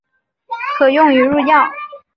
可用于入药。